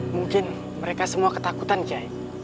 mungkin mereka semua ketakutan kiai